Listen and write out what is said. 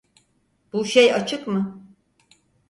Bu şey açık mı?